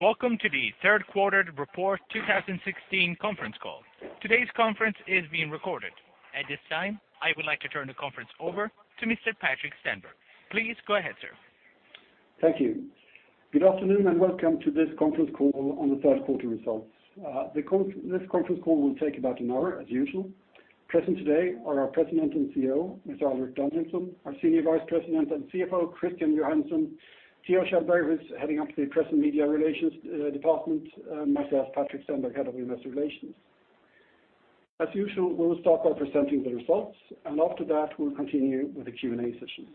Welcome to the Q3 report 2016 conference call. Today's conference is being recorded. At this time, I would like to turn the conference over to Mr. Patrik Stenberg. Please go ahead, sir. Thank you. Good afternoon, and welcome to this conference call on the Q3 results. This conference call will take about an hour, as usual. Present today are our President and CEO, Mr. Alrik Danielson, our Senior Vice President and CFO, Christian Johansson, Theo Kjellberg, heading up the Press and Media Relations Department, and myself, Patrik Stenberg, Head of Investor Relations. As usual, we will start by presenting the results, and after that, we'll continue with the Q&A session.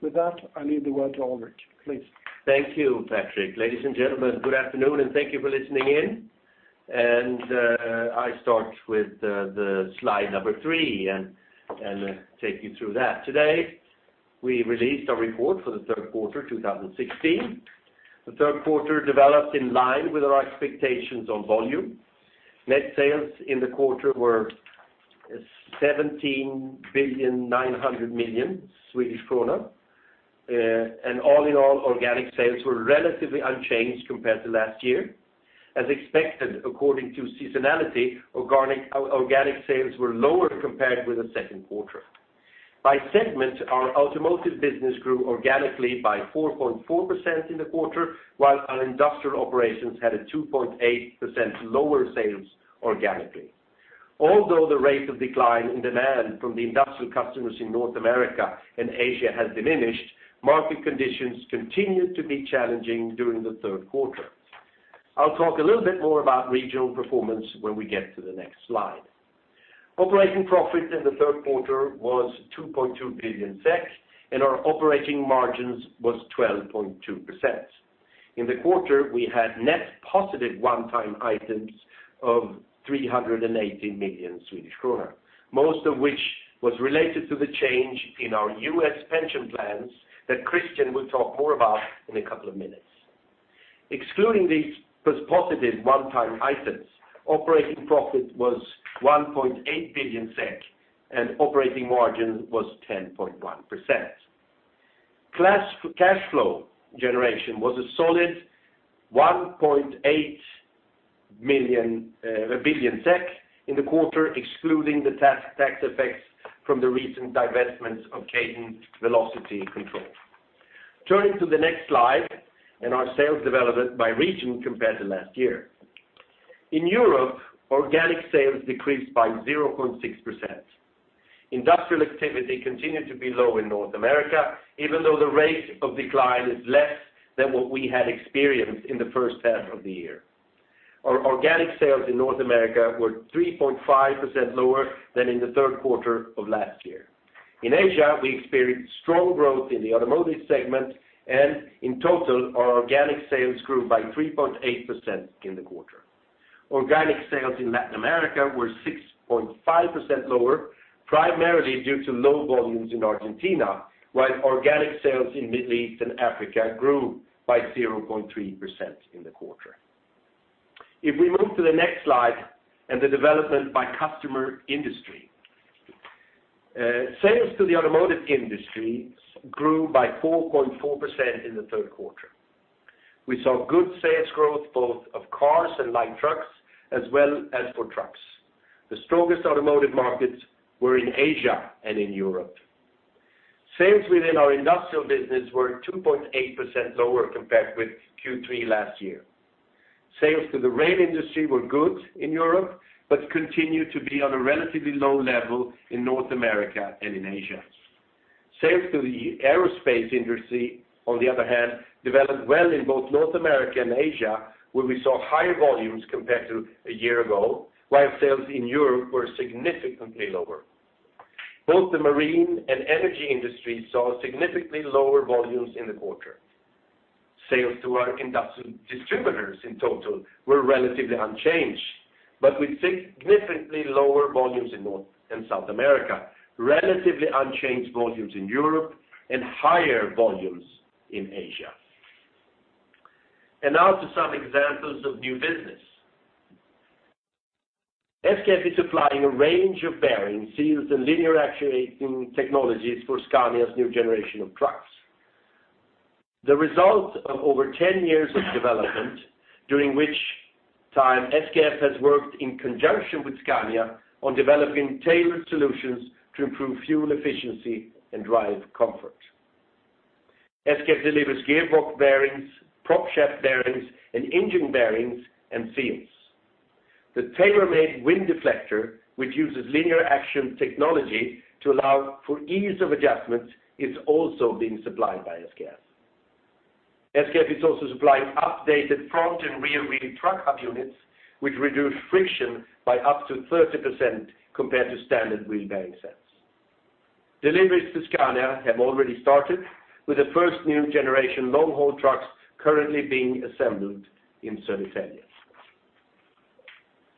With that, I leave the word to Alrik. Please. Thank you, Patrik. Ladies and gentlemen, good afternoon, and thank you for listening in. I start with the slide number 3 and take you through that. Today, we released a report for the Q3, 2016. The Q3 developed in line with our expectations on volume. Net sales in the quarter were 17.9 billion Swedish krona. And all in all, organic sales were relatively unchanged compared to last year. As expected, according to seasonality, organic sales were lower compared with the Q2. By segment, our automotive business grew organically by 4.4% in the quarter, while our industrial operations had 2.8% lower sales organically. Although the rate of decline in demand from the industrial customers in North America and Asia has diminished, market conditions continued to be challenging during the Q3. I'll talk a little bit more about regional performance when we get to the next slide. Operating profit in the Q3 was 2.2 billion, and our operating margins was 12.2%. In the quarter, we had net positive one-time items of 380 million Swedish kronor, most of which was related to the change in our U.S. Pension Plans that Christian will talk more about in a couple of minutes. Excluding these positive one-time items, operating profit was 1.8 billion SEK, and operating margin was 10.1%. Cash flow generation was a solid 1.8 billion in the quarter, excluding the tax effects from the recent divestments of Kaydon Velocity and Control. Turning to the next slide, and our sales development by region compared to last year. In Europe, organic sales decreased by 0.6%. Industrial activity continued to be low in North America, even though the rate of decline is less than what we had experienced in the first half of the year. Our organic sales in North America were 3.5% lower than in the Q3 of last year. In Asia, we experienced strong growth in the automotive segment, and in total, our organic sales grew by 3.8% in the quarter. Organic sales in Latin America were 6.5% lower, primarily due to low volumes in Argentina, while organic sales in Middle East and Africa grew by 0.3% in the quarter. If we move to the next slide, and the development by customer industry. Sales to the automotive industry grew by 4.4% in the Q3. We saw good sales growth, both of cars and light trucks, as well as for trucks. The strongest automotive markets were in Asia and in Europe. Sales within our industrial business were 2.8% lower compared with Q3 last year. Sales to the rail industry were good in Europe, but continued to be on a relatively low level in North America and in Asia. Sales to the aerospace industry, on the other hand, developed well in both North America and Asia, where we saw higher volumes compared to a year ago, while sales in Europe were significantly lower. Both the marine and energy industries saw significantly lower volumes in the quarter. Sales to our industrial distributors in total were relatively unchanged, but with significantly lower volumes in North and South America, relatively unchanged volumes in Europe, and higher volumes in Asia. Now to some examples of new business. SKF is supplying a range of bearings, seals, and linear actuating technologies for Scania's new generation of trucks. The result of over 10 years of development, during which time SKF has worked in conjunction with Scania on developing tailored solutions to improve fuel efficiency and drive comfort. SKF delivers gearbox bearings, prop shaft bearings, and engine bearings, and seals. The tailor-made wind deflector, which uses linear actuating technology to allow for ease of adjustment, is also being supplied by SKF. SKF is also supplying updated front and rear wheel truck HBU units, which reduce friction by up to 30% compared to standard wheel bearing sets. Deliveries to Scania have already started, with the first new generation long-haul trucks currently being assembled in Södertälje.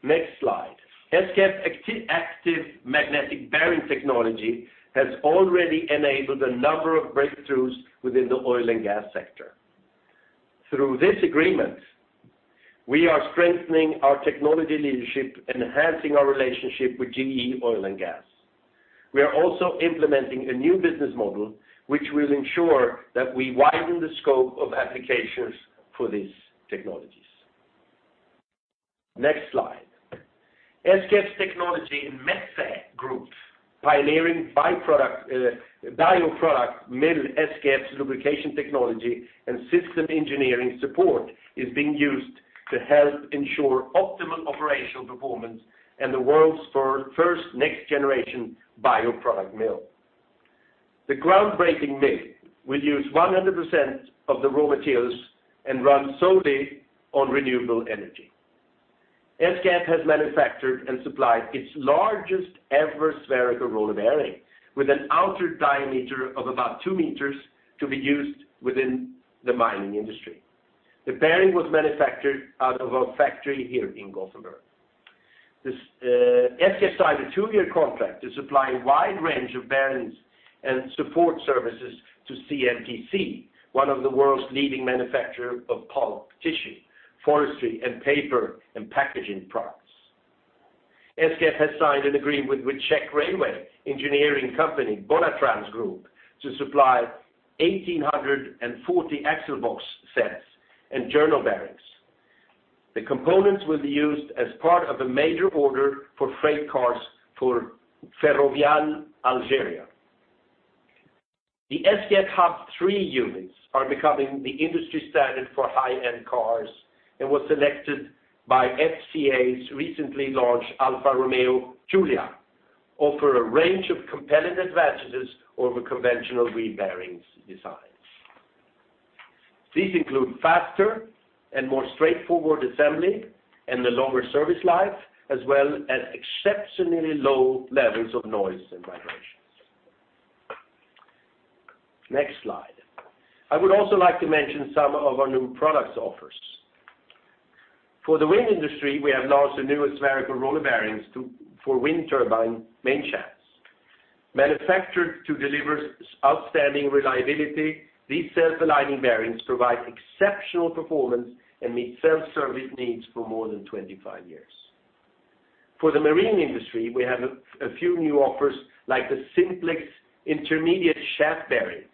Next slide. SKF's active magnetic bearing technology has already enabled a number of breakthroughs within the Oil & Gas sector. Through this agreement, we are strengthening our technology leadership, enhancing our relationship with GE Oil & Gas. We are also implementing a new business model, which will ensure that we widen the scope of applications for these technologies. Next slide. SKF Technology in Metsä Group, pioneering bioproduct mill, SKF's Lubrication Technology and system engineering support, is being used to help ensure optimal operational performance and the world's first next-generation bioproduct mill. The groundbreaking mill will use 100% of the raw materials and run solely on renewable energy. SKF has manufactured and supplied its largest-ever spherical roller bearing, with an outer diameter of about 2 m, to be used within the mining industry. The bearing was manufactured out of our factory here in Gothenburg. SKF signed a two-year contract to supply a wide range of bearings and support services to CMPC, one of the world's leading manufacturer of pulp, tissue, forestry, and paper and packaging products. SKF has signed an agreement with Czech Railway engineering company, Bonatrans Group, to supply 1,840 axle box sets and journal bearings. The components will be used as part of a major order for freight cars for Ferrovial Algeria. The SKF HBU 3 units are becoming the industry standard for high-end cars and was selected by FCA's recently launched Alfa Romeo Giulia, offer a range of compelling advantages over conventional wheel bearings designs. These include faster and more straightforward assembly and a longer service life, as well as exceptionally low levels of noise and vibrations. Next slide. I would also like to mention some of our new products offers. For the wind industry, we have launched the newest Spherical Roller Bearings for wind turbine main shafts. Manufactured to deliver outstanding reliability, these self-aligning bearings provide exceptional performance and meet self-service needs for more than 25 years. For the marine industry, we have a few new offers, like the Simplex Intermediate Shaft Bearing,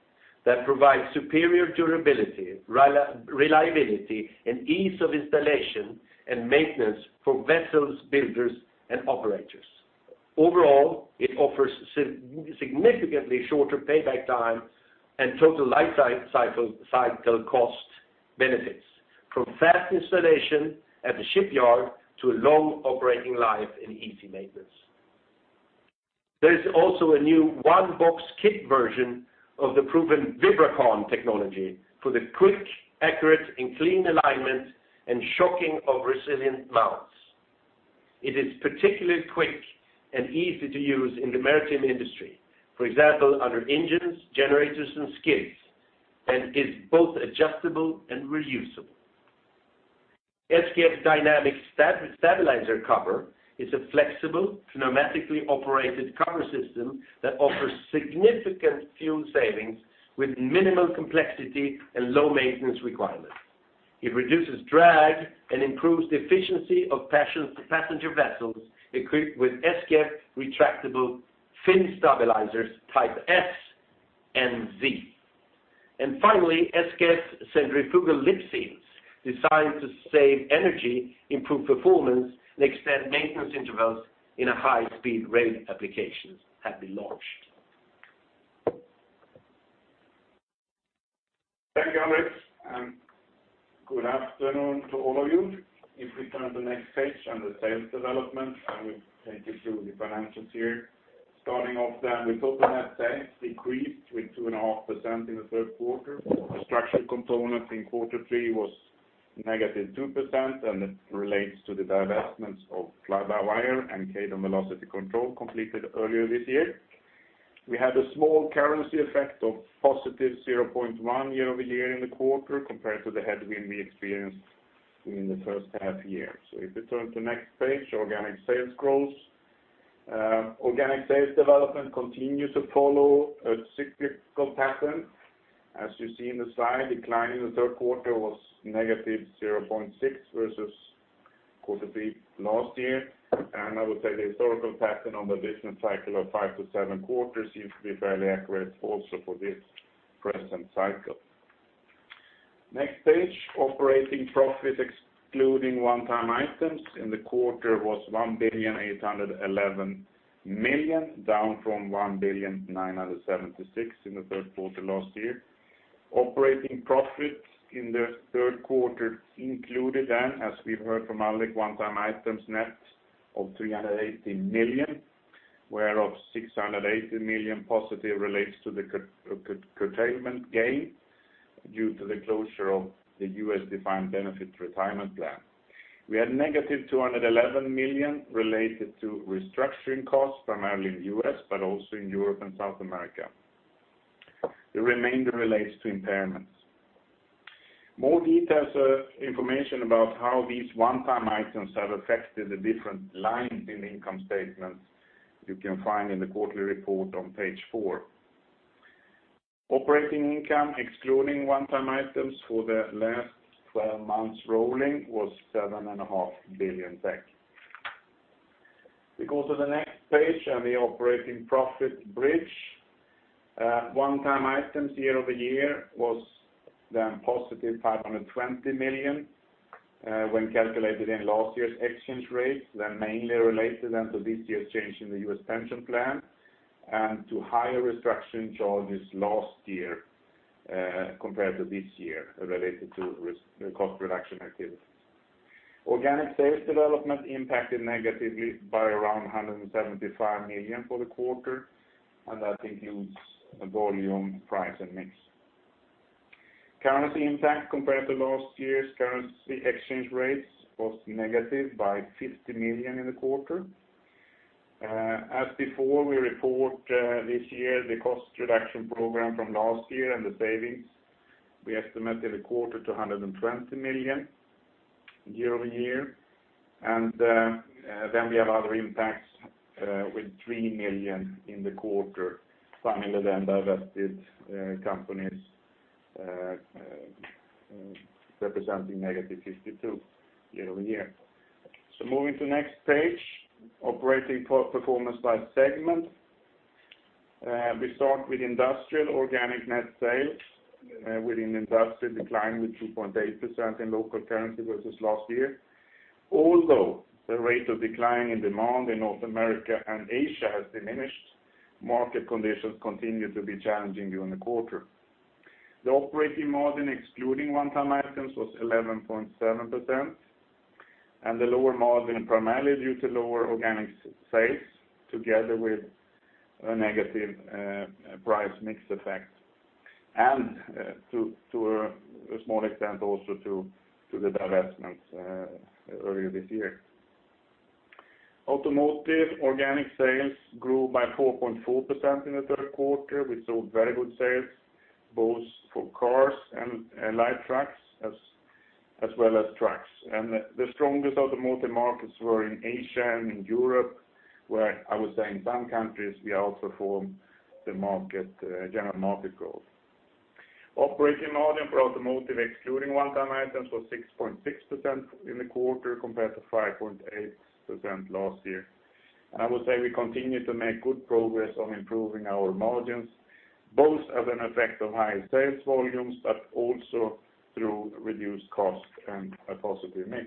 that provides superior durability, reliability, and ease of installation and maintenance for vessels, builders, and operators. Overall, it offers significantly shorter payback time and total life cycle cost benefits, from fast installation at the shipyard to a long operating life and easy maintenance. There is also a new one-box kit version of the proven Vibracon technology for the quick, accurate, and clean alignment and chocking of resilient mounts. It is particularly quick and easy to use in the maritime industry, for example, under engines, generators, and skids, and is both adjustable and reusable. SKF Dynamic Stabilizer Cover is a flexible, pneumatically operated cover system that offers significant fuel savings with minimal complexity and low maintenance requirements. It reduces drag and improves the efficiency of passenger vessels equipped with SKF retractable fin stabilizers, Type S and Z. And finally, SKF Centrifugal Lip Seals, designed to save energy, improve performance, and extend maintenance intervals in high-speed rail applications, have been launched. Thank you, Alrik, and good afternoon to all of you. If we turn to the next page on the sales development, I will take you through the financials here. Starting off, then, the total net sales decreased with 2.5% in the Q3. The structural component in quarter three was -2%, and it relates to the divestments of Fly-by-wire and Kaydon Velocity Control completed earlier this year. We had a small currency effect of +0.1% year-over-year in the quarter, compared to the headwind we experienced in the first half year. So if we turn to next page, organic sales growth. Organic sales development continues to follow a cyclical pattern. As you see in the slide, decline in the Q3 was -0.6% versus Q3 last year. I would say the historical pattern on the business cycle of 5 quarters-7 quarters seems to be fairly accurate also for this present cycle. Next page, operating profit, excluding one-time items in the quarter, was 1,811 million, down from 1,976 million in the Q3 last year. Operating profit in the Q3 included then, as we've heard from Alrik, one-time items net of 380 million, whereof 680 million positive relates to the curtailment gain due to the closure of the U.S. Defined Benefit Retirement Plan. We had negative 211 million related to restructuring costs, primarily in the U.S., but also in Europe and South America. The remainder relates to impairments. More details, information about how these one-time items have affected the different lines in the income statement, you can find in the quarterly report on page 4. Operating income, excluding one-time items for the last twelve months rolling, was 7.5 billion. We go to the next page on the operating profit bridge. One-time items year-over-year was then positive 520 million, when calculated in last year's exchange rates, then mainly related then to this year's change in the U.S. Pension Plan, and to higher restructuring charges last year, compared to this year related to cost reduction activities. Organic sales development impacted negatively by around 175 million for the quarter, and that includes the volume, price, and mix. Currency impact compared to last year's currency exchange rates was negative by 50 million in the quarter. As before, we report this year the cost reduction program from last year and the savings, we estimated a quarter to 120 million year-over-year. Then we have other impacts with 3 million in the quarter. Finally, the divested companies representing -52 year-over-year. So moving to the next page, operating performance by segment. We start with industrial organic net sales within industrial decline with 2.8% in local currency versus last year. Although the rate of decline in demand in North America and Asia has diminished, market conditions continue to be challenging during the quarter. The operating margin, excluding one-time items, was 11.7%, and the lower margin primarily due to lower organic sales, together with a negative price mix effect, and to a small extent, also to the divestments earlier this year. Automotive organic sales grew by 4.4% in the Q3. We saw very good sales, both for cars and light trucks, as well as trucks. The strongest automotive markets were in Asia and in Europe, where I would say in some countries, we outperformed the general market growth. Operating margin for automotive, excluding one-time items, was 6.6% in the quarter, compared to 5.8% last year. I would say we continue to make good progress on improving our margins, both as an effect of higher sales volumes, but also through reduced cost and a positive mix.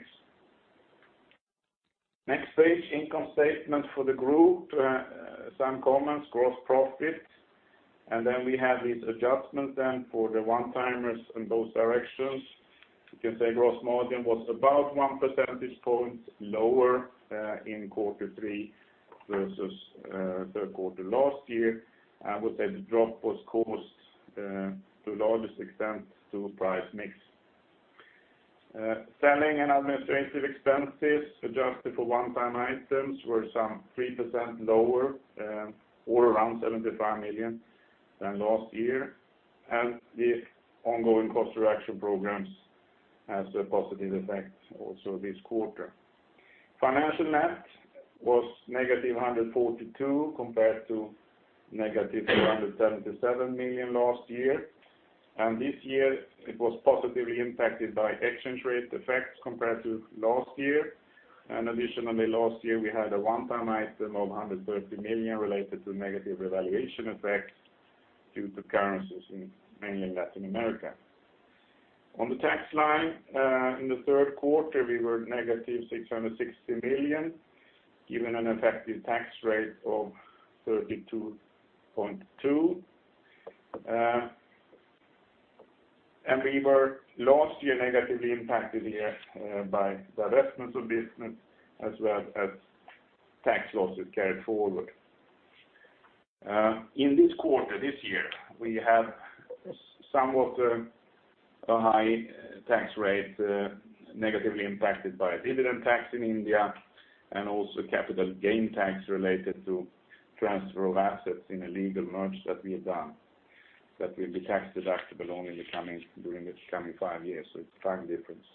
Next page, income statement for the group, some comments, gross profit, and then we have these adjustments then for the one-timers in both directions. You can say gross margin was about one percentage point lower in quarter three versus Q3 last year. I would say the drop was caused to the largest extent to price mix. Selling and administrative expenses, adjusted for one-time items, were some 3% lower, or around 75 million than last year, and the ongoing cost reduction programs has a positive effect also this quarter. Financial net was -142 million, compared to -177 million last year. This year, it was positively impacted by exchange rate effects compared to last year. Additionally, last year, we had a one-time item of 130 million related to negative revaluation effects due to currencies in mainly Latin America. On the tax line, in the Q3, we were -660 million, given an effective tax rate of 32.2%. And we were last year negatively impacted here by divestments of business as well as tax losses carried forward. In this quarter, this year, we have somewhat a high tax rate, negatively impacted by a dividend tax in India, and also capital gain tax related to transfer of assets in a legal merger that we have done, that will be tax deductible only during the coming five years, so it's time difference.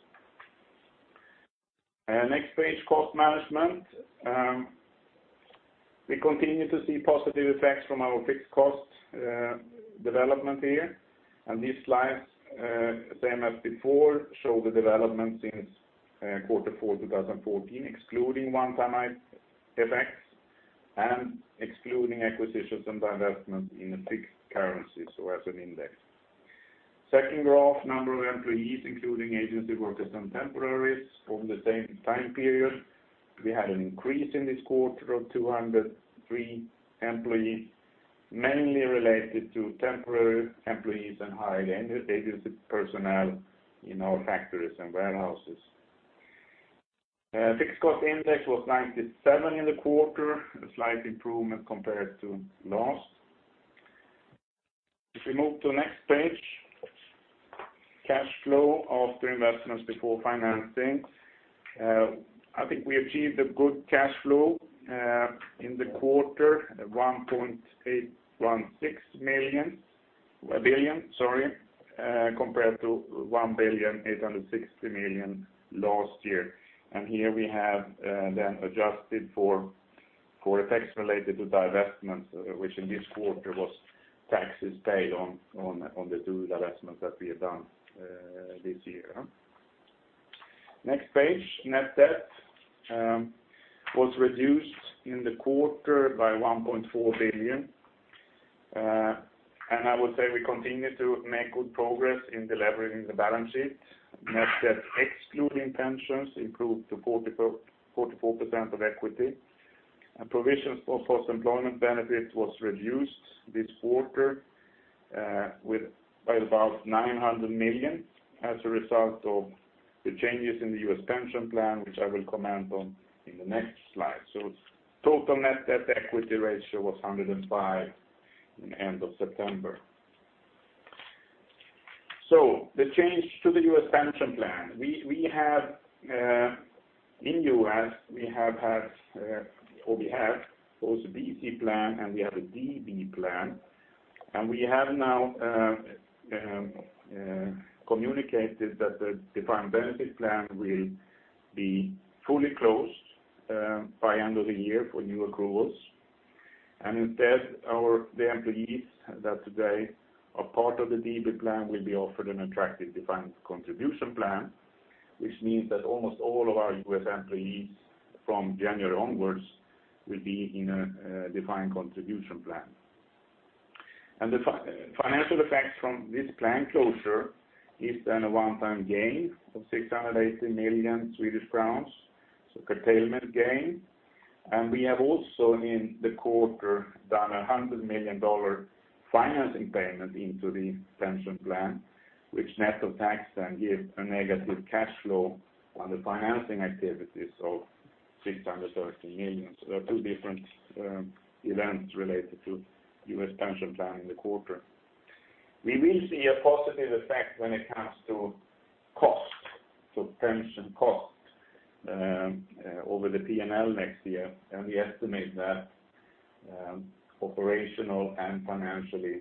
Next page, cost management. We continue to see positive effects from our fixed cost development here. These slides, same as before, show the development since Q4, 2014, excluding one-time effects and excluding acquisitions and divestment in a fixed currency, so as an index. Second graph, number of employees, including agency workers and temporaries from the same time period, we had an increase in this quarter of 203 employees, mainly related to temporary employees and hired agency personnel in our factories and warehouses. Fixed cost index was 97 in the quarter, a slight improvement compared to last. If we move to the next page, cash flow after investments before financing. I think we achieved a good cash flow in the quarter, 1.816 billion, sorry, compared to 1.860 billion last year. Here we have then adjusted for core effects related to divestments, which in this quarter was taxes paid on the two divestments that we have done this year. Next page, net debt was reduced in the quarter by 1.4 billion. And I would say we continue to make good progress in deleveraging the balance sheet. Net debt, excluding pensions, improved to 44% of equity. Provisions for post-employment benefits was reduced this quarter by about 900 million as a result of the changes in the U.S. Pension Plan, which I will comment on in the next slide. So total net debt equity ratio was 105 in the end of September. So the change to the U.S. Pension Plan. We have in U.S., we have both DC plan and we have a DB plan. And we have now communicated that the defined benefit plan will be fully closed by end of the year for new accruals. And instead, the employees that today are part of the DB plan will be offered an attractive defined contribution plan, which means that almost all of our U.S. employees from January onwards will be in a defined contribution plan. And the financial effect from this plan closure is then a one-time gain of 680 million Swedish crowns, so curtailment gain. We have also, in the quarter, done a $100 million financing payment into the Pension Plan, which net of tax then gives a negative cash flow on the financing activities of 613 million. So there are two different events related to U.S. Pension Plan in the quarter. We will see a positive effect when it comes to cost, so pension cost, over the P&L next year, and we estimate that operational and financially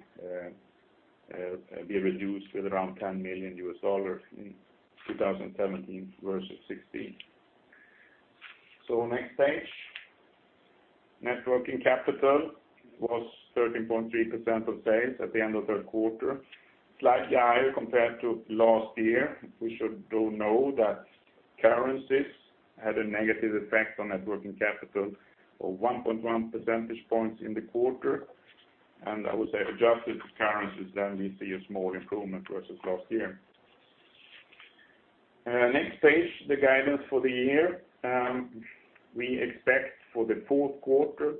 be reduced with around $10 million in 2017 versus 2016. So next page. Net working capital was 13.3% of sales at the end of Q3, slightly higher compared to last year. We should note that currencies had a negative effect on net working capital of 1.1 percentage points in the quarter, and I would say adjusted currencies, then we see a small improvement versus last year. Next page, the guidance for the year. We expect for the Q4,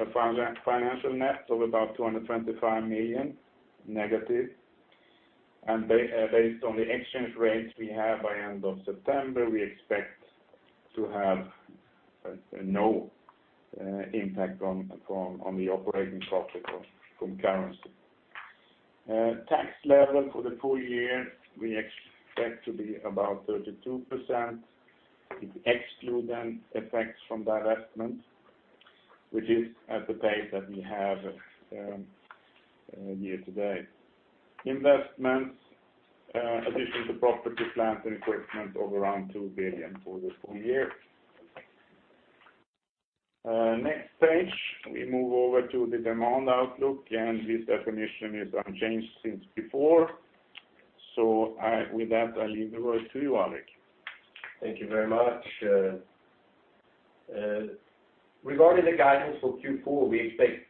a financial net of about -225 million. And based on the exchange rates we have by end of September, we expect to have no impact on the operating profit from currency. Tax level for the full year, we expect to be about 32%, excluding the effects from divestment, which is at the pace that we have year-to-date. Investments, addition to property, plant, and equipment of around 2 billion for the full year. Next page, we move over to the demand outlook, and this definition is unchanged since before. So, with that, I leave the word to you, Alrik. Thank you very much. Regarding the guidance for Q4, we expect.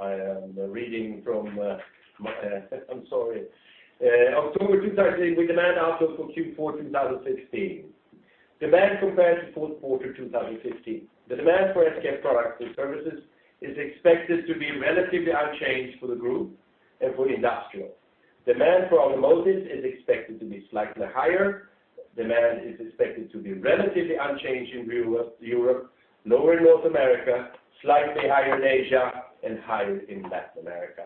I am reading from my October 2016 with demand outlook for Q4 2016. Demand compared to Q4 2015. The demand for SKF Products and Services is expected to be relatively unchanged for the group and for industrial. Demand for automotive is expected to be slightly higher. Demand is expected to be relatively unchanged in Europe, lower in North America, slightly higher in Asia, and higher in Latin America.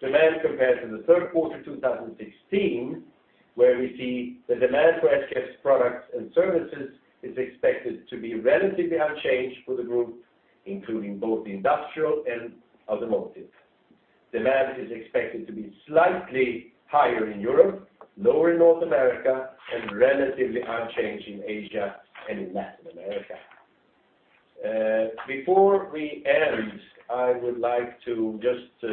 Demand compared to the Q3 2016, where we see the demand for SKF Products and Services is expected to be relatively unchanged for the group, including both industrial and automotive. Demand is expected to be slightly higher in Europe, lower in North America, and relatively unchanged in Asia and in Latin America. Before we end, I would like to just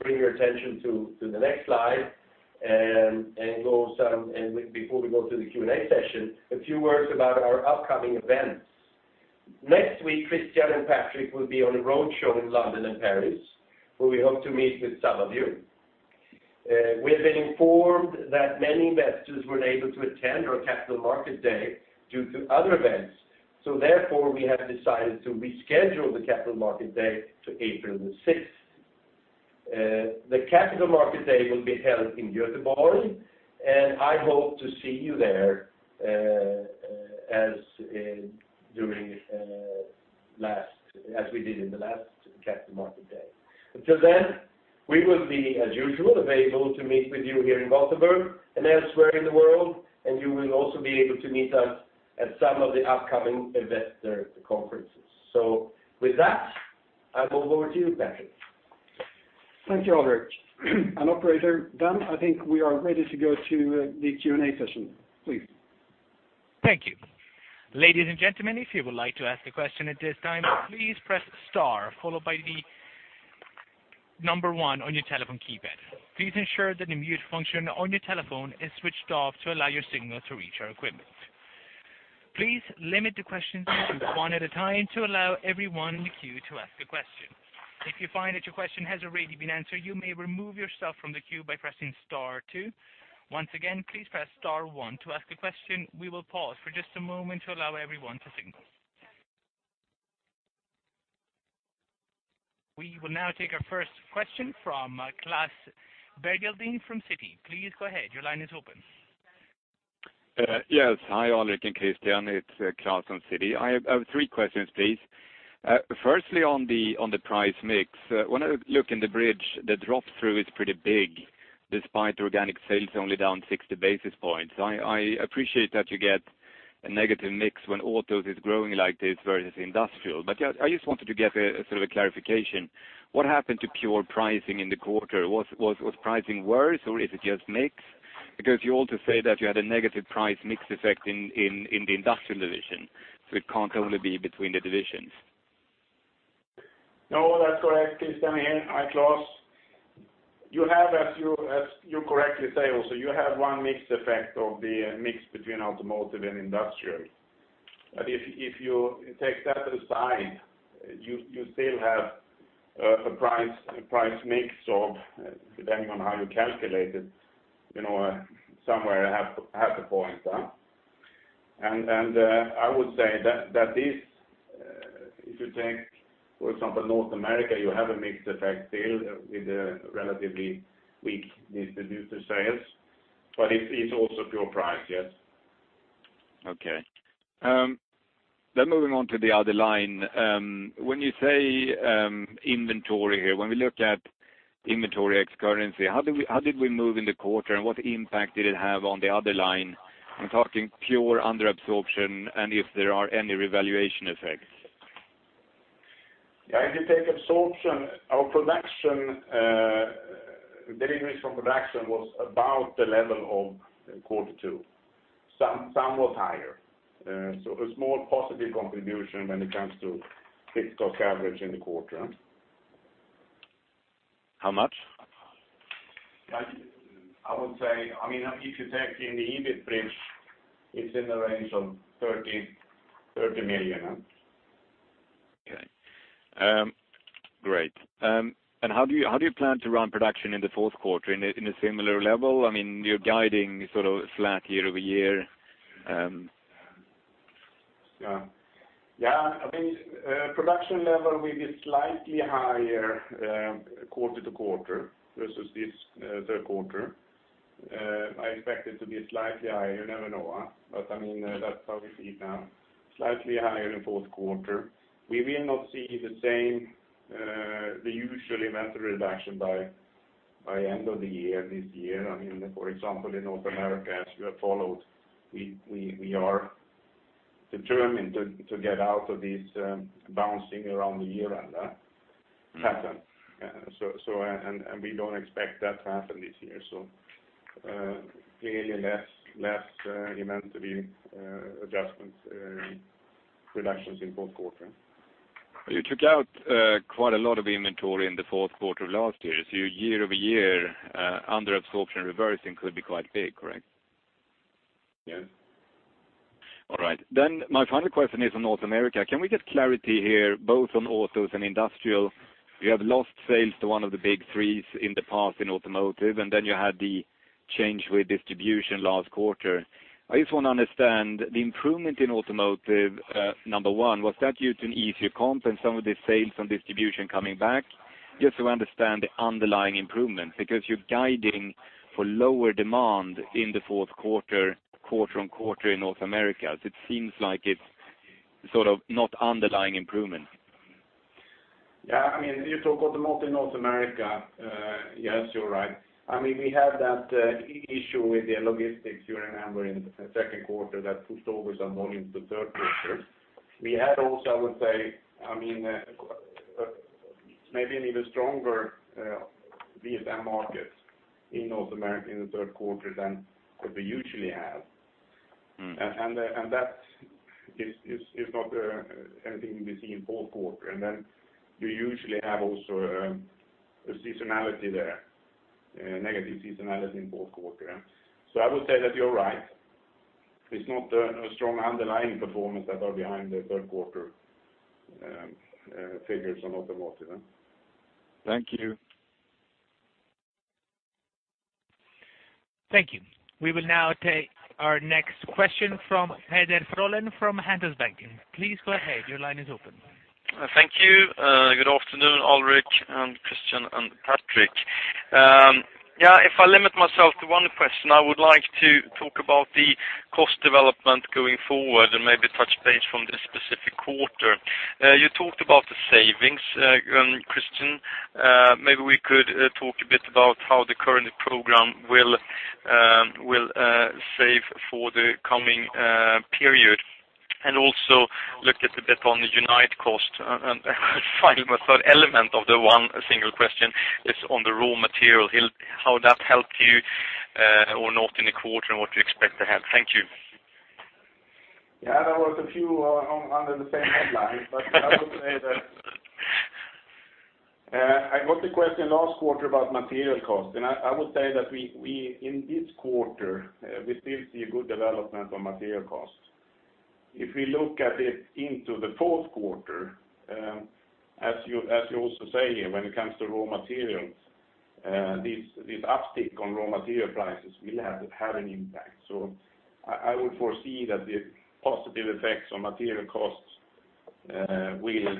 bring your attention to the next slide, and before we go to the Q&A session, a few words about our upcoming events. Next week, Christian and Patrik will be on a roadshow in London and Paris, where we hope to meet with some of you. We've been informed that many investors were unable to attend our Capital Market Day due to other events, so therefore, we have decided to reschedule the Capital Market Day to April 6th. The Capital Market Day will be held in Gothenburg, and I hope to see you there, as we did in the last Capital Market Day. Until then, we will be, as usual, available to meet with you here in Gothenburg and elsewhere in the world, and you will also be able to meet us at some of the upcoming investor conferences. So with that, I will go over to you, Patrik. Thank you, Alrik. Operator, Dan, I think we are ready to go to the Q&A session, please. Thank you. Ladies and gentlemen, if you would like to ask a question at this time, please press star followed by the number one on your telephone keypad. Please ensure that the mute function on your telephone is switched off to allow your signal to reach our equipment. Please limit the questions to one at a time to allow everyone in the queue to ask a question. If you find that your question has already been answered, you may remove yourself from the queue by pressing star two. Once again, please press star one to ask a question. We will pause for just a moment to allow everyone to signal. We will now take our first question from Klas Bergelind from Citi. Please go ahead, your line is open. Yes. Hi, Alrik and Christian, it's Klas from Citi. I have three questions, please. Firstly, on the price mix, when I look in the bridge, the drop-through is pretty big, despite organic sales only down 60 basis points. I appreciate that you get a negative mix when autos is growing like this versus industrial, but yeah, I just wanted to get a sort of a clarification. What happened to pure pricing in the quarter? Was pricing worse, or is it just mix? Because you also say that you had a negative price mix effect in the industrial division, so it can't only be between the divisions. No, that's correct. Christian here. Hi, Klas. You have, as you correctly say also, you have one mix effect of the mix between automotive and industrial. But if you take that aside, you still have a price mix of, depending on how you calculate it, you know, somewhere half a point. And I would say that that is, if you take, for example, North America, you have a mix effect still with a relatively weak distributor sales, but it's also pure price, yes. Okay. Then moving on to the other line, when you say inventory here, when we look at inventory X currency, how do we- how did we move in the quarter, and what impact did it have on the other line? I'm talking pure under absorption, and if there are any revaluation effects. Yeah, if you take absorption, our production, deliveries from production was about the level of quarter two, some was higher. So a small positive contribution when it comes to fixed cost average in the quarter. How much? I would say, I mean, if you take in the EBIT bridge, it's in the range of 30- 30 million. Okay. Great. And how do you plan to run production in the Q4, in a similar level? I mean, you're guiding sort of flat year-over-year. Yeah. Yeah, I think production level will be slightly higher, quarter to quarter versus this Q3. I expect it to be slightly higher, you never know, but I mean, that's how we see it now, slightly higher in Q4. We will not see the same, the usual inventory reduction by end of the year, this year. I mean, for example, in North America, as you have followed, we are determined to get out of this bouncing around the year-end pattern. We don't expect that to happen this year, so clearly less inventory adjustments reductions in Q4. You took out, quite a lot of inventory in the Q4 of last year, so year-over-year, under absorption reversing could be quite big, correct? Yeah. All right. Then my final question is on North America. Can we get clarity here, both on autos and industrial? You have lost sales to one of the big threes in the past in automotive, and then you had the change with distribution last quarter. I just want to understand the improvement in automotive, number one, was that due to an easier comp and some of the sales from distribution coming back? Just to understand the underlying improvement, because you're guiding for lower demand in the Q4, quarter-on-quarter in North America, so it seems like it's sort of not underlying improvement. Yeah, I mean, you talk automotive North America, yes, you're right. I mean, we had that issue with the logistics, you remember, in the Q2 that pushed over some volumes to Q3. We had also, I would say, I mean, maybe an even stronger VSM market in North America in the Q3 than what we usually have. That is not anything we see in Q4. And then you usually have also a seasonality there, negative seasonality in Q4. So I would say that you're right. It's not a strong underlying performance that are behind the Q3 figures on automotive. Thank you. Thank you. We will now take our next question from Peder Frölén from Handelsbanken. Please go ahead, your line is open. Thank you, good afternoon, Alrik and Christian and Patrik. Yeah, if I limit myself to one question, I would like to talk about the cost development going forward and maybe touch base from this specific quarter. You talked about the savings, Christian. Maybe we could talk a bit about how the current program will save for the coming period? And also look at a bit on the Unite cost. And finally, my third element of the one single question is on the raw material, how that helped you or not in the quarter, and what you expect to have. Thank you. Yeah, there was a few under the same headline. But I would say that I got the question last quarter about material cost, and I would say that we in this quarter we still see a good development on material cost. If we look at it into the Q4, as you also say here, when it comes to raw materials, this uptick on raw material prices will have an impact. So I would foresee that the positive effects on material costs will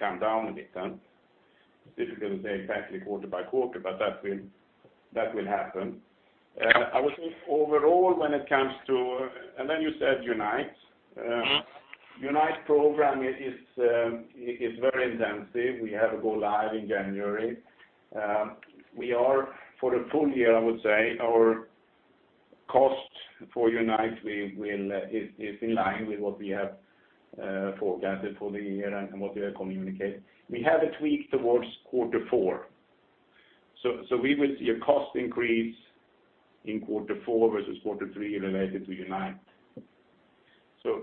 come down a bit. It's difficult to say exactly quarter-by-quarter, but that will happen. I would say overall, when it comes to and then you said Unite. Unite program is very intensive. We have a go live in January. We are for the full year, I would say, our cost for Unite is in line with what we have forecasted for the year and what we have communicated. We have a tweak towards Q4. So we will see a cost increase in Q4 versus Q3 related to Unite. So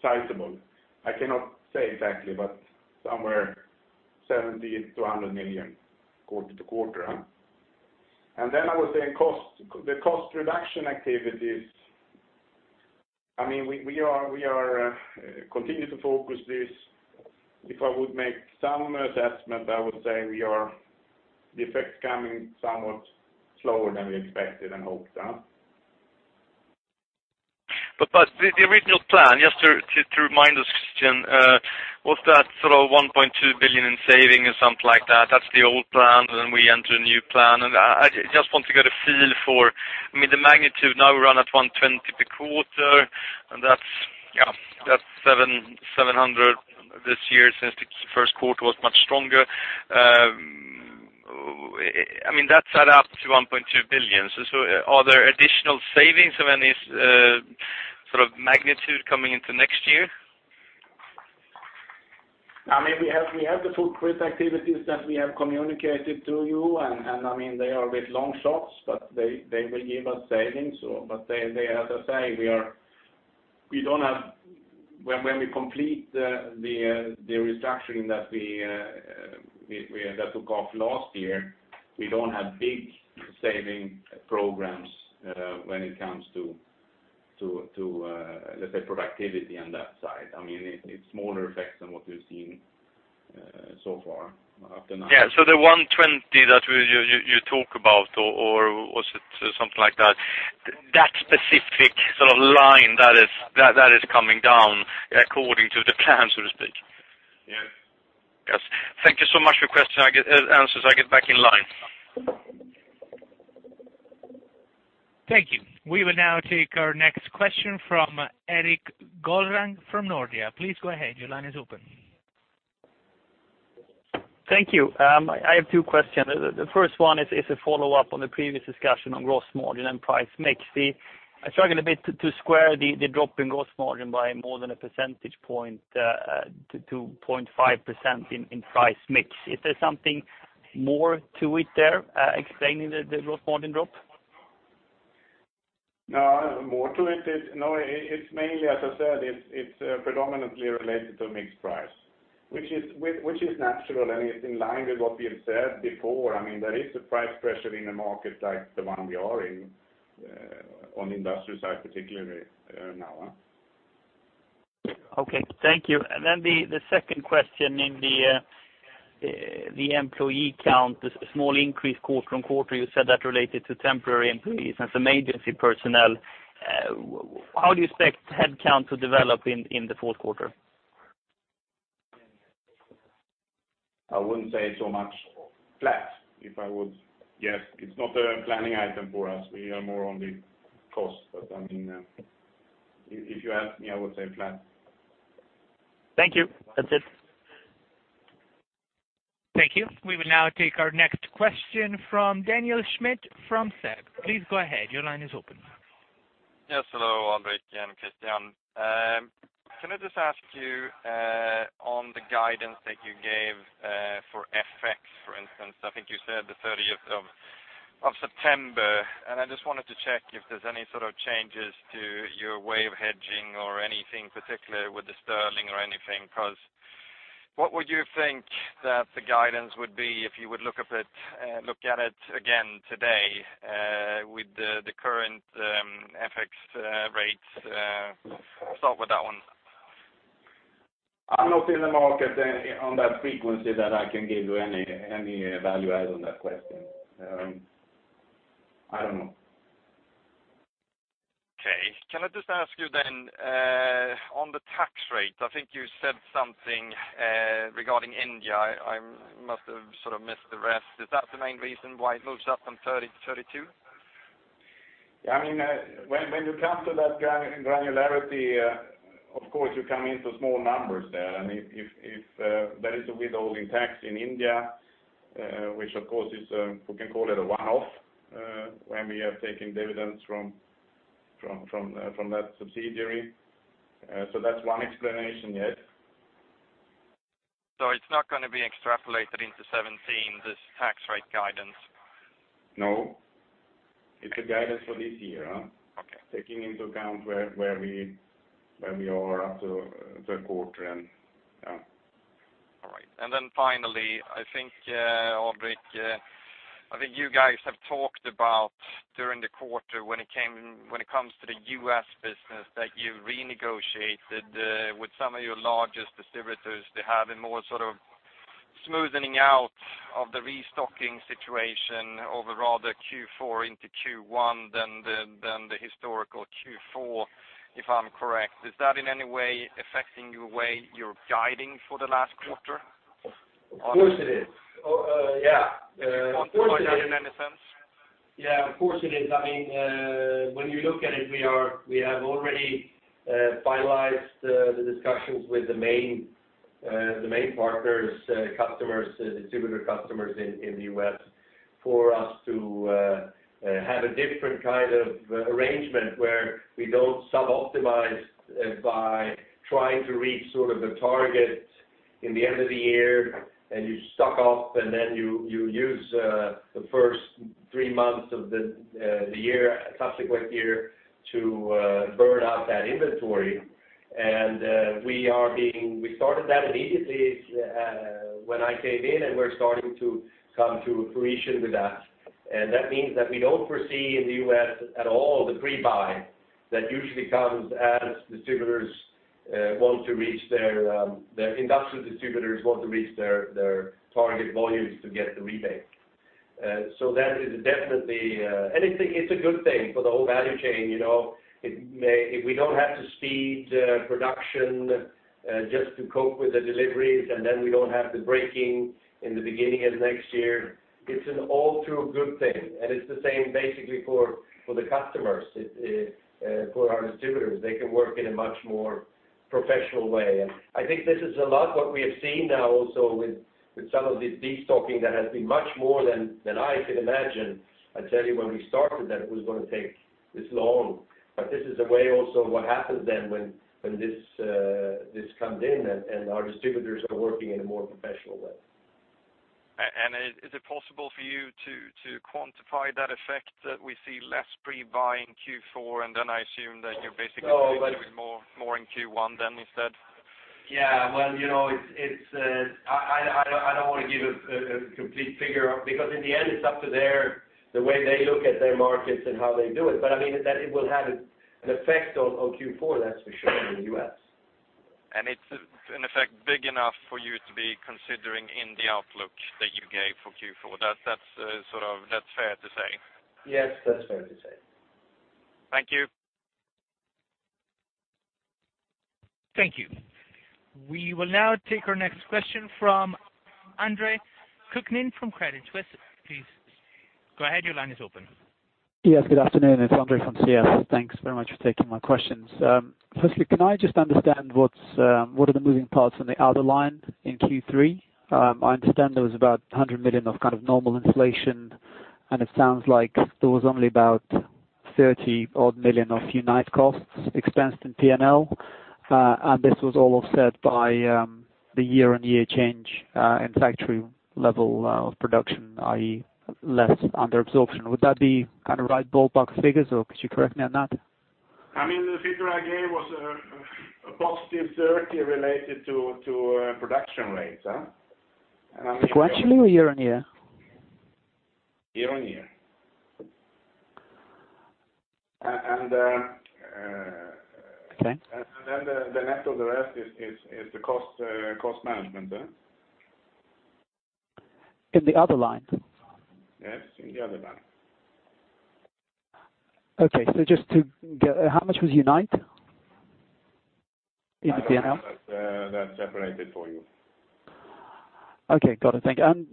sizable, I cannot say exactly, but somewhere 70 million-100 million quarter-to-quarter, huh? And then I would say in cost, the cost reduction activities, I mean, we continue to focus this. If I would make some assessment, I would say we are the effect coming somewhat slower than we expected and hoped, huh? But the original plan, just to remind us, Christian, was that sort of 1.2 billion in savings or something like that? That's the old plan, and then we enter a new plan. And I just want to get a feel for, I mean, the magnitude now we run at 120 million per quarter, and that's, yeah, that's 700 million this year since the Q1 was much stronger. I mean, that adds up to 1.2 billion. So are there additional savings of any sort of magnitude coming into next year? I mean, we have the full cost activities that we have communicated to you, and, I mean, they are a bit long shots, but they, as I say, we are. We don't have, when we complete the restructuring that we, that took off last year, we don't have big saving programs, when it comes to, let's say, productivity on that side. I mean, it's smaller effects than what we've seen, so far after nine- Yeah. So the 120 that you talk about, or was it something like that, that specific sort of line that is coming down according to the plan, so to speak? Yeah. Yes. Thank you so much for answering my questions, I get answers. I get back in line. Thank you. We will now take our next question from Erik Golrang from Nordea. Please go ahead. Your line is open. Thank you. I have two questions. The first one is a follow-up on the previous discussion on gross margin and price mix. I struggle a bit to square the drop in gross margin by more than a percentage point to 2.5% in price mix. Is there something more to it there explaining the gross margin drop? No, more to it? No, it's mainly, as I said, it's predominantly related to mixed price, which is natural, and it's in line with what we have said before. I mean, there is a price pressure in a market like the one we are in on the industrial side, particularly now. Okay. Thank you. And then the second question in the employee count, the small increase quarter-on-quarter, you said that related to temporary employees and some agency personnel. How do you expect headcount to develop in the Q4? I wouldn't say so much flat, if I would... Yes, it's not a planning item for us. We are more on the cost, but I mean, if, if you ask me, I would say flat. Thank you. That's it. Thank you. We will now take our next question from Daniel Schmidt from SEB. Please go ahead. Your line is open. Yes, hello, Alrik and Christian. Can I just ask you, on the guidance that you gave, for FX, for instance, I think you said the thirtieth of September, and I just wanted to check if there's any sort of changes to your way of hedging or anything particular with the sterling or anything, because what would you think that the guidance would be if you would look at it, look at it again today, with the current FX rates? Start with that one. I'm not in the market on that frequency that I can give you any value add on that question. I don't know. Okay. Can I just ask you then, on the tax rate, I think you said something regarding India. I must have sort of missed the rest. Is that the main reason why it moves up from 30%-32%? I mean, when you come to that granularity, of course, you come into small numbers there. And if there is a withholding tax in India, which of course is, we can call it a one-off, when we have taken dividends from that subsidiary. So that's one explanation, yes. It's not going to be extrapolated into 2017, this tax rate guidance? No. It's a guidance for this year. Okay. Taking into account where we are after the quarter, and yeah. All right. And then finally, I think, Alrik, I think you guys have talked about during the quarter, when it comes to the U.S. business, that you renegotiated with some of your largest distributors to have a more sort of smoothening out of the restocking situation over rather Q4 into Q1 than the historical Q4, if I'm correct. Is that in any way affecting the way you're guiding for the last quarter? Of course it is. Oh, yeah, Can you quantify that in any sense? Yeah, of course it is. I mean, when you look at it, we have already finalized the discussions with the main partners, customers, distributor customers in the U.S., for us to have a different kind of arrangement, where we don't suboptimize by trying to reach sort of a target in the end of the year, and you stock up, and then you use the first three months of the year, subsequent year, to burn out that inventory. We started that immediately when I came in, and we're starting to come to fruition with that. That means that we don't foresee in the U.S. at all the pre-buy that usually comes as distributors want to reach their industrial distributors want to reach their target volumes to get the rebate. So that is definitely. And it's a good thing for the whole value chain, you know? If we don't have to speed production just to cope with the deliveries, and then we don't have the breaking in the beginning of next year, it's an all through good thing. And it's the same, basically, for the customers for our distributors. They can work in a much more professional way. And I think this is a lot what we have seen now also with some of this destocking that has been much more than I could imagine. I tell you, when we started, that it was going to take this long, but this is a way also what happens then, when this comes in, and our distributors are working in a more professional way. And is it possible for you to quantify that effect, that we see less pre-buy in Q4, and then I assume that you're basically- No, but- -more, more in Q1 then instead? Yeah, well, you know, it's I don't want to give a complete figure, because in the end, it's up to the way they look at their markets and how they do it. But, I mean, that it will have an effect on Q4, that's for sure, in the U.S. It's, in effect, big enough for you to be considering in the outlook that you gave for Q4. That, that's, sort of, that's fair to say? Yes, that's fair to say. Thank you. Thank you. We will now take our next question from Andre Kukhnin from Credit Suisse. Please go ahead, your line is open. Yes, good afternoon. It's Andre from CS. Thanks very much for taking my questions. Firstly, can I just understand what's, what are the moving parts on the other line in Q3? I understand there was about 100 million of kind of normal inflation, and it sounds like there was only about 30-odd million of Unite costs expensed in P&L. And this was all offset by, the year-on-year change, in factory level, of production, i.e., less under absorption. Would that be kind of right ballpark figures, or could you correct me on that? I mean, the figure I gave was a +30 related to production rates? And I- Sequentially or year-on-year? Year-on-year. And, Okay. Then the net of the rest is the cost management, yeah. In the other line? Yes, in the other line. Okay. So just to get, how much was Unite in the P&L? That's separated for you. Okay, got it. Thank you. And,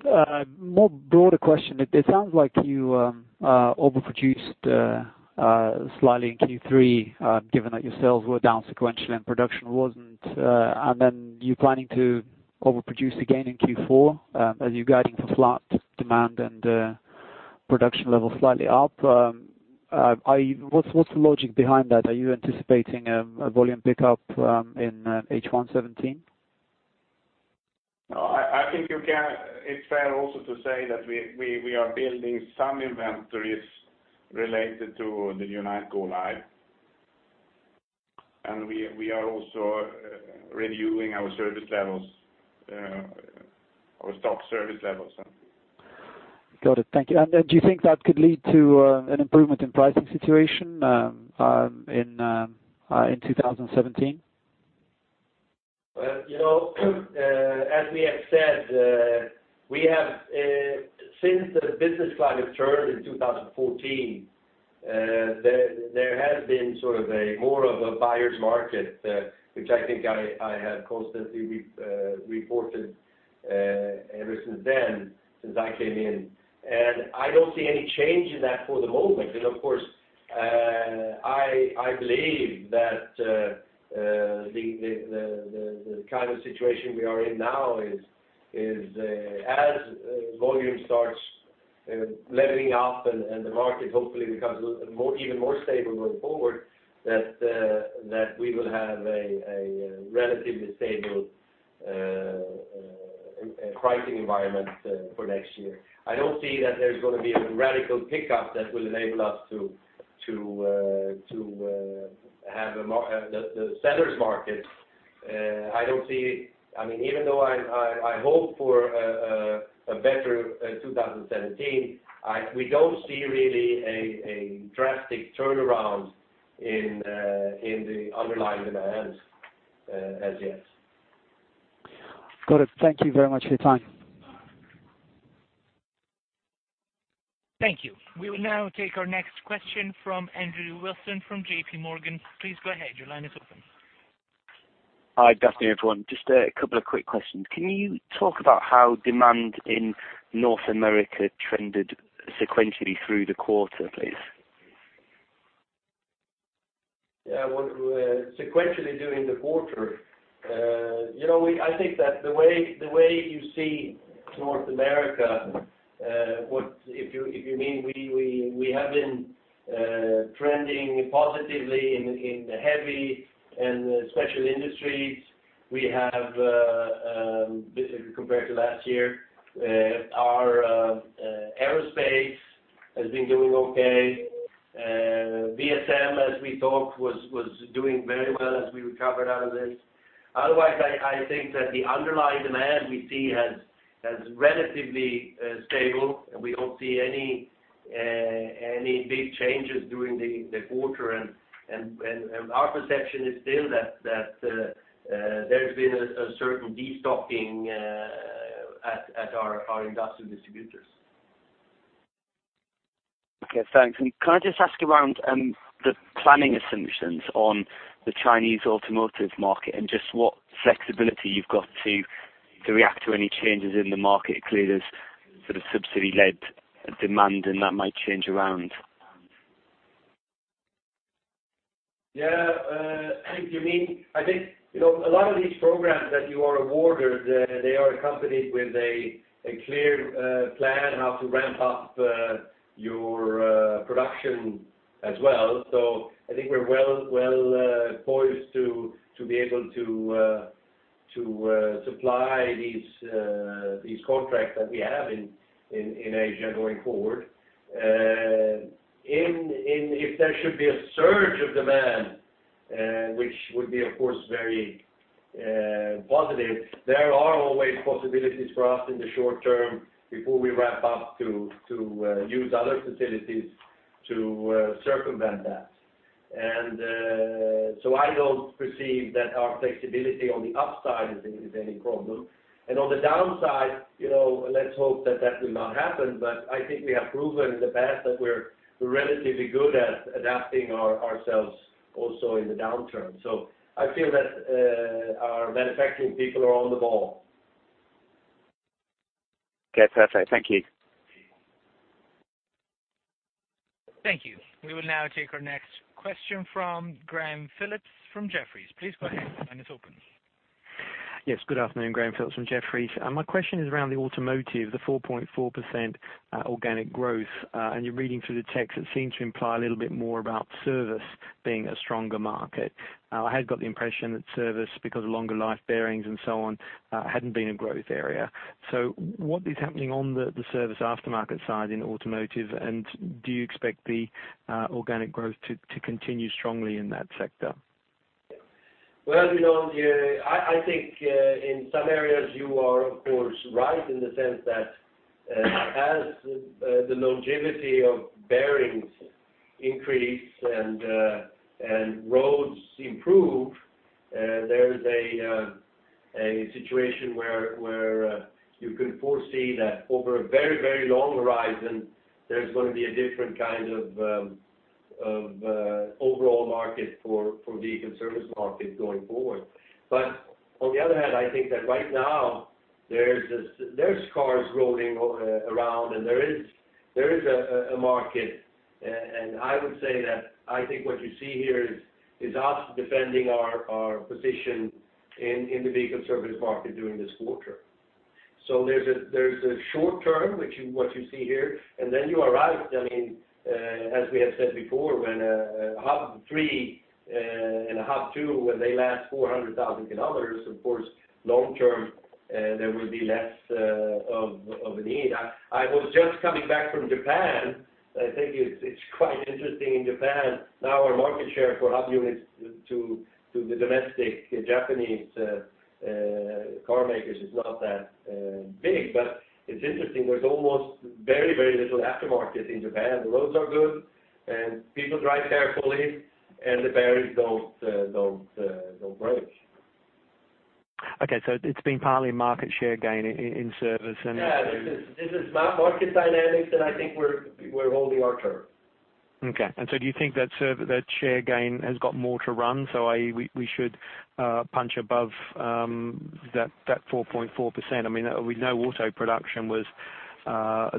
more broader question, it sounds like you overproduced slightly in Q3, given that your sales were down sequentially and production wasn't, and then you're planning to overproduce again in Q4, as you're guiding for flat demand and production level slightly up. What's the logic behind that? Are you anticipating a volume pickup in H1-17? No, I think you can. It's fair also to say that we are building some inventories related to the Unite go live. And we are also reviewing our service levels, our stock service levels. Got it. Thank you. And do you think that could lead to an improvement in pricing situation in 2017? Well, you know, as we have said, we have, since the business climate turned in 2014, there has been sort of a, more of a buyer's market, which I think I have constantly reported, ever since then, since I came in. And I don't see any change in that for the moment. But of course, I believe that the kind of situation we are in now is, as volume starts leveling off and the market hopefully becomes more, even more stable going forward, that we will have a relatively stable pricing environment for next year. I don't see that there's gonna be a radical pickup that will enable us to have a seller's market. I don't see - I mean, even though I hope for a better 2017, we don't see really a drastic turnaround in the underlying demand as yet. Got it. Thank you very much for your time. Thank you. We will now take our next question from Andrew Wilson, from JPMorgan. Please go ahead. Your line is open. Hi, good afternoon, everyone. Just a couple of quick questions. Can you talk about how demand in North America trended sequentially through the quarter, please? Yeah, well, sequentially during the quarter, you know, we- I think that the way, the way you see North America, what if you, if you mean we, we, we have been trending positively in the heavy and special industries. We have compared to last year, our aerospace has been doing okay. VSM, as we talked, was doing very well as we recovered out of this. Otherwise, I think that the underlying demand we see has relatively stable, and we don't see any big changes during the quarter. And our perception is still that there's been a certain destocking at our industrial distributors. Okay, thanks. And can I just ask around the planning assumptions on the Chinese automotive market, and just what flexibility you've got to react to any changes in the market? Clearly, there's sort of subsidy-led demand, and that might change around? Yeah, I think you mean, I think you know a lot of these programs that you are awarded, they are accompanied with a clear plan how to ramp up your production as well. So I think we're well poised to be able to supply these contracts that we have in Asia going forward. If there should be a surge of demand, which would be, of course, very positive, there are always possibilities for us in the short term before we ramp up to use other facilities to circumvent that. And so I don't perceive that our flexibility on the upside is any problem. And on the downside, you know, let's hope that that will not happen, but I think we have proven in the past that we're relatively good at adapting our, ourselves also in the downturn. So I feel that our manufacturing people are on the ball. Okay, perfect. Thank you. Thank you. We will now take our next question from Graham Phillips, from Jefferies. Please go ahead. Your line is open. Yes, good afternoon, Graham Phillips from Jefferies. My question is around the automotive, the 4.4% organic growth. And you're reading through the text, it seems to imply a little bit more about service being a stronger market. I had got the impression that service, because of longer life bearings and so on, hadn't been a growth area. So what is happening on the service aftermarket side in automotive, and do you expect the organic growth to continue strongly in that sector? Well, you know, yeah, I think in some areas, you are, of course, right in the sense that as the longevity of bearings increase and roads improve, there is a situation where you can foresee that over a very, very long horizon, there's gonna be a different kind of overall market for vehicle service market going forward. But on the other hand, I think that right now, there's cars rolling around, and there is a market. And I would say that I think what you see here is us defending our position in the vehicle service market during this quarter. So there's a short term, which you see here, what you see here, and then you arrive. I mean, as we have said before, when a hub three and a hub two last 400,000 Km, of course, long term, there will be less of a need. I was just coming back from Japan. I think it's quite interesting in Japan. Now, our market share for hub units to the domestic Japanese car makers is not that big. But it's interesting, there's almost very, very little aftermarket in Japan. The roads are good, and people drive carefully, and the bearings don't break. Okay, so it's been partly market share gain in service and- Yeah, this is not market dynamics, and I think we're holding our term. Okay. And so do you think that share gain has got more to run? So i.e., we should punch above that 4.4%. I mean, we know auto production was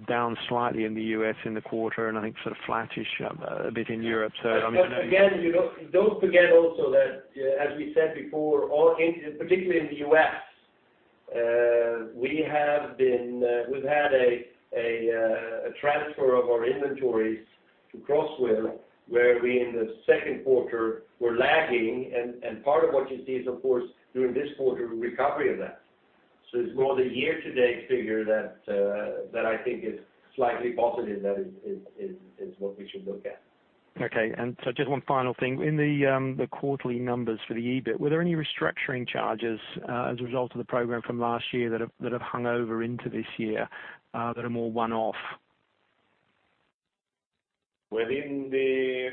down slightly in the U.S. in the quarter, and I think sort of flattish a bit in Europe. So, I mean- Again, you don't forget also that, as we said before, all in, particularly in the U.S., we have been, we've had a transfer of our inventories to Crossville, where we in the Q2 were lagging, and part of what you see is, of course, during this quarter, recovery of that. So it's more the year-to-date figure that I think is slightly positive, that is what we should look at. Okay. And so just one final thing. In the quarterly numbers for the EBIT, were there any restructuring charges, as a result of the program from last year that have hung over into this year, that are more one-off? Within the-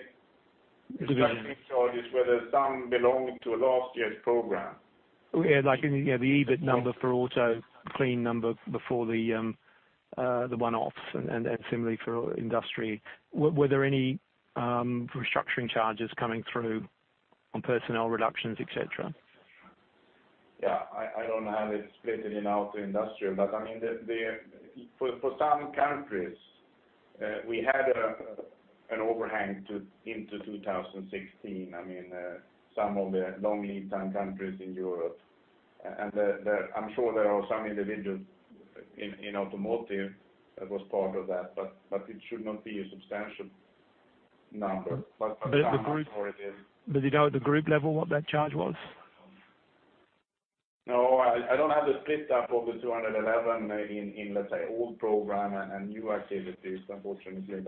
Division Restructuring charges, whether some belong to last year's program? Yeah, like in, yeah, the EBIT number for auto, clean number before the one-offs and similarly for industry. Were there any restructuring charges coming through on personnel reductions, et cetera? Yeah, I don't have it split out to industrial, but I mean, for some countries, we had an overhang into 2016. I mean, some of the long lead time countries in Europe. And I'm sure there are some individuals in automotive that was part of that, but it should not be a substantial number. But- But the group- Sorry But you know, at the group level, what that charge was? No, I don't have the split up of the 211 in, let's say, old program and new activities, unfortunately.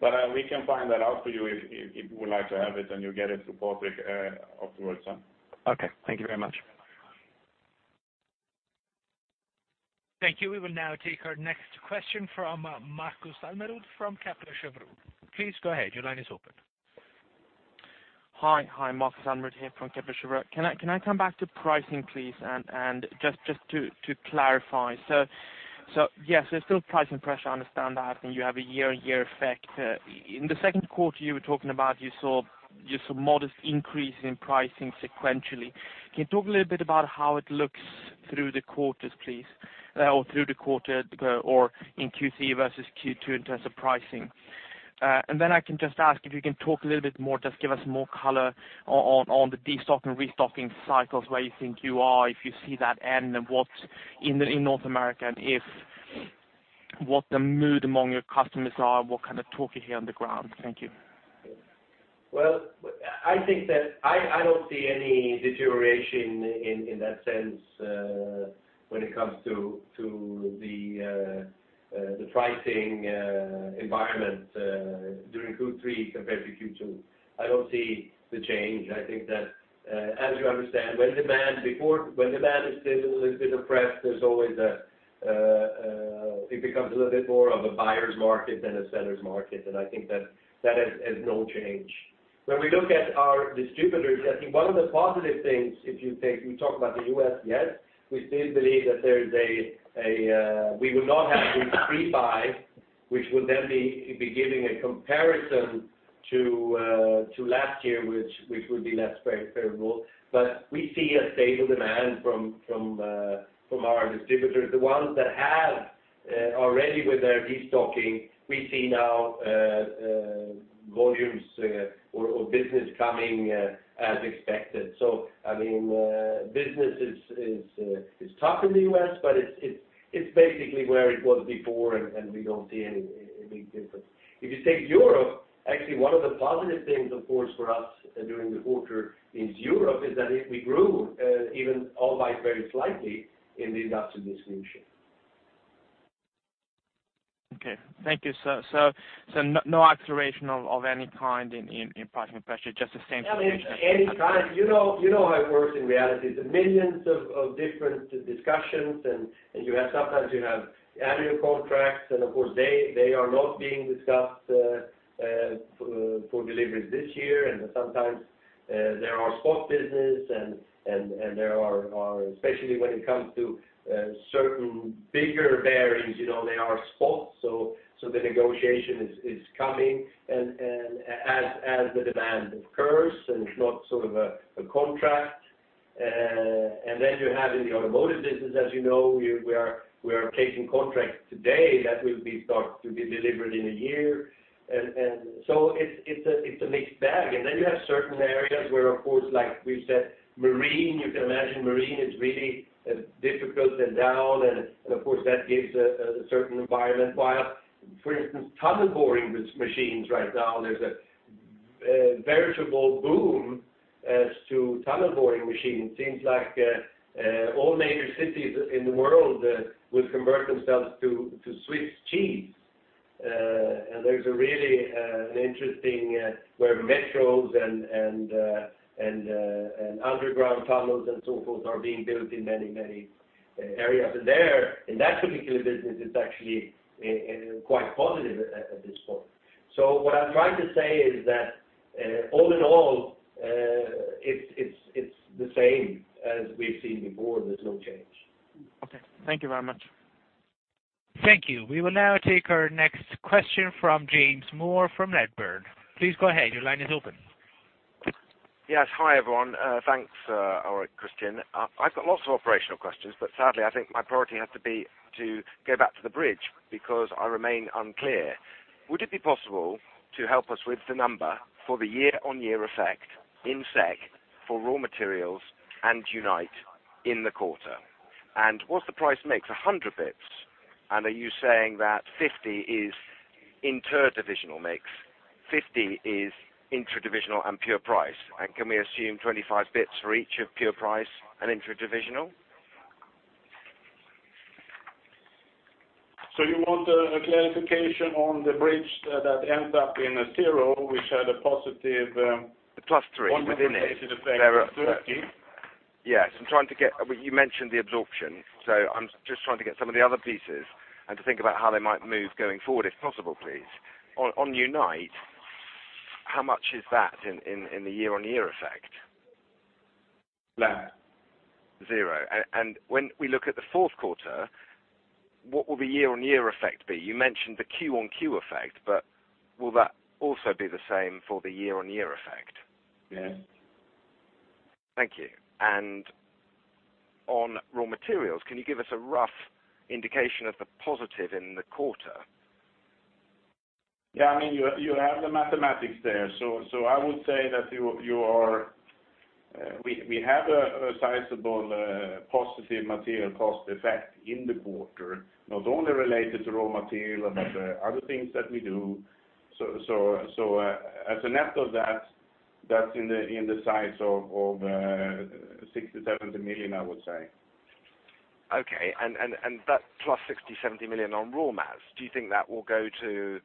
But we can find that out for you if you would like to have it, and you'll get it through Patrik afterwards on. Okay. Thank you very much. Thank you. We will now take our next question from Markus Almerud, from Kepler Cheuvreux. Please go ahead. Your line is open. Hi, Markus Almerud here from Kepler Cheuvreux. Can I come back to pricing, please? And just to clarify. So yes, there's still pricing pressure. I understand that, and you have a year-on-year effect. In the Q2, you were talking about, you saw modest increases in pricing sequentially. Can you talk a little bit about how it looks through the quarters, please? Or through the quarter, or in Q3 versus Q2 in terms of pricing? And then I can just ask if you can talk a little bit more, just give us more color on the destocking and restocking cycles, where you think you are, if you see that end, and what in North America, and what the mood among your customers are, what kind of talk you hear on the ground? Thank you. Well, I think that I don't see any deterioration in that sense, when it comes to the pricing environment during Q3 compared to Q2. I don't see the change. I think that, as you understand, when demand is still a little bit oppressed, there's always it becomes a little bit more of a buyer's market than a seller's market, and I think that that has no change. When we look at our distributors, I think one of the positive things, if you take, we talk about the U.S., yes, we still believe that there is a we would not have a pre-buy, which would then be giving a comparison to last year, which would be less fair, favorable. But we see a stable demand from our distributors. The ones that have already with their destocking, we see now volumes or business coming as expected. So, I mean, business is tough in the U.S., but it's basically where it was before, and we don't see any big difference. If you take Europe, actually, one of the positive things, of course, for us during the quarter in Europe is that we grew, even albeit very slightly in the industrial distribution. Okay. Thank you. So, no acceleration of any kind in pricing pressure, just the same- I mean, any kind, you know, you know how it works in reality. The millions of different discussions, and you have sometimes annual contracts, and of course, they are not being discussed for deliveries this year. And sometimes there are spot business and there are especially when it comes to certain bigger bearings, you know, they are spot, so the negotiation is coming and as the demand occurs, and it's not sort of a contract, and then you have in the automotive business, as you know, we are taking contracts today that will be start to be delivered in a year. And so it's a mixed bag. And then you have certain areas where, of course, like we said, marine, you can imagine marine is really difficult and down, and of course, that gives a certain environment. While, for instance, tunnel boring machines, right now, there's a veritable boom as to tunnel boring machines. Seems like all major cities in the world will convert themselves to Swiss cheese. And there's a really an interesting where metros and underground tunnels and so forth are being built in many, many areas. And there, in that particular business, it's actually quite positive at this point. So what I'm trying to say is that- all in all, it's the same as we've seen before. There's no change. Okay. Thank you very much. Thank you. We will now take our next question from James Moore from Redburn. Please go ahead. Your line is open. Yes. Hi, everyone. Thanks, all right, Christian. I've got lots of operational questions, but sadly, I think my priority has to be to go back to the bridge, because I remain unclear. Would it be possible to help us with the number for the year-on-year effect in SEK for raw materials and Unite in the quarter? And what's the price mix, 100 basis points, and are you saying that 50 is interdivisional mix, 50 is intradivisional and pure price? And can we assume 25 basis points for each of pure price and intradivisional? You want a clarification on the bridge that end up in a zero, which had a positive, +3 within it. Effect of 30. Yes, I'm trying to get- well, you mentioned the absorption, so I'm just trying to get some of the other pieces and to think about how they might move going forward, if possible, please. On Unite, how much is that in the year-on-year effect? Yeah. Zero. And when we look at the Q4, what will the year-on-year effect be? You mentioned the Q-on-Q effect, but will that also be the same for the year-on-year effect? Yes. Thank you. On raw materials, can you give us a rough indication of the positive in the quarter? Yeah, I mean, you have the mathematics there. So, I would say that you are. We have a sizable positive material cost effect in the quarter, not only related to raw material, but other things that we do. So, as a net of that, that's in the size of 60 million-70 million, I would say. Okay. And that plus 60 million-70 million on raw mats, do you think that will go to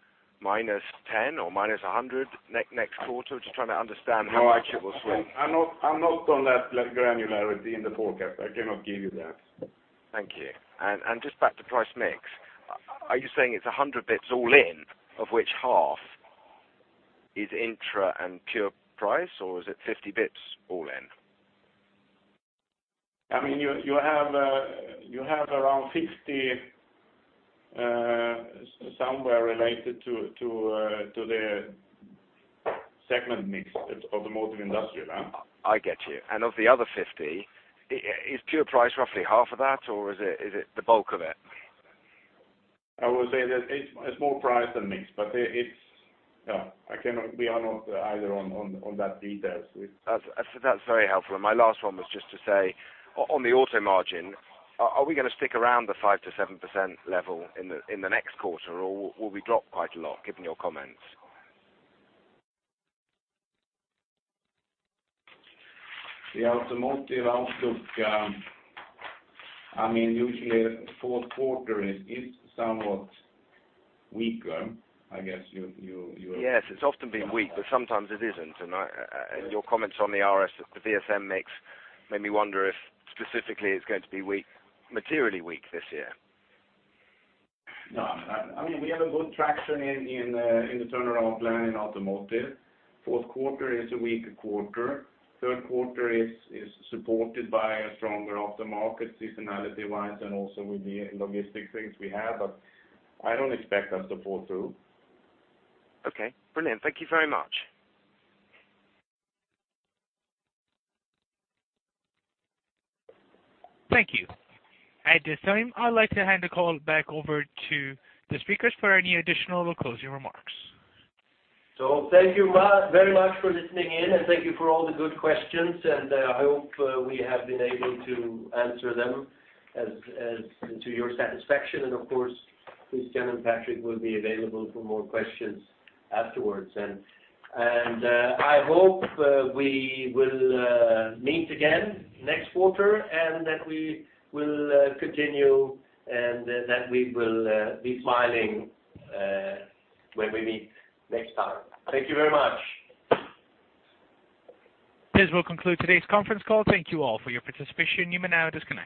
-10 million or -100 million next quarter? Just trying to understand how much it will swing. I'm not, I'm not on that granularity in the forecast. I cannot give you that. Thank you. And just back to price mix, are you saying it's 100 bips all in, of which half is intra and pure price, or is it 50 bips all in? I mean, you have around 50, somewhere related to the segment mix of the motor industrial. I get you. And of the other 50, is pure price roughly half of that, or is it, is it the bulk of it? I would say that it's more price than mix, but it's, I cannot be honest either on that details. That's, that's very helpful. And my last one was just to say, on the auto margin, are we going to stick around the 5%-7% level in the next quarter, or will we drop quite a lot, given your comments? The automotive outlook, I mean, usually Q4 is somewhat weaker. I guess you- Yes, it's often been weak, but sometimes it isn't. And I, and your comments on the RS, the VSM mix, made me wonder if specifically it's going to be weak, materially weak this year. No, I mean, we have a good traction in the turnaround plan in automotive. Q4 is a weak quarter. Q3 is supported by a stronger aftermarket, seasonality-wise, and also with the logistic things we have, but I don't expect us to fall through. Okay, brilliant. Thank you very much. Thank you. At this time, I'd like to hand the call back over to the speakers for any additional closing remarks. Thank you very much for listening in, and thank you for all the good questions. I hope we have been able to answer them as to your satisfaction. And of course, Christian and Patrik will be available for more questions afterwards. I hope we will meet again next quarter, and that we will continue, and then that we will be smiling when we meet next time. Thank you very much. This will conclude today's conference call. Thank you all for your participation. You may now disconnect.